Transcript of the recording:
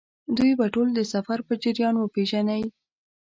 دوی به ټول د سفر په جریان کې وپېژنئ.